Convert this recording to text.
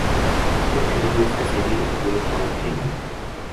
El creador de esta serie fue Paul Henning.